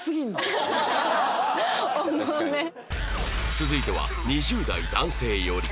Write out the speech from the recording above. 続いては２０代男性より